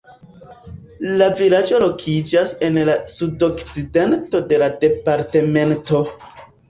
La vilaĝo lokiĝas en la sudokcidento de la departemento.